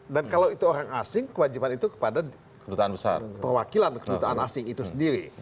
dan kalau itu orang asing kewajiban itu kepada perwakilan kedutaan asing itu sendiri